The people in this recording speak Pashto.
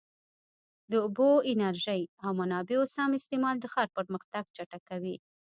د اوبو، انرژۍ او منابعو سم استعمال د ښار پرمختګ چټکوي.